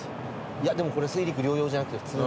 いやでもこれ水陸両用じゃなくて普通の。